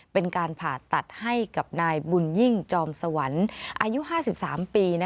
เป็นการผ่าตัดให้กับนายบุญยิ่งจอมสวรรค์อายุ๕๓ปี